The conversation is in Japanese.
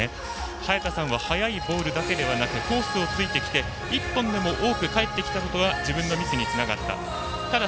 早田さんは速いボールだけでなくコースも突いてきて１本でも多く返ってきたことが自分のミスにつながった。